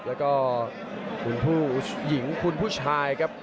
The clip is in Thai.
แล้วก็คุณผู้หญิงคุณผู้ชายครับ